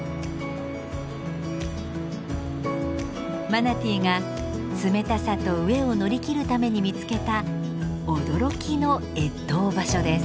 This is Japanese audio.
マナティーが冷たさと飢えを乗り切るために見つけた驚きの越冬場所です。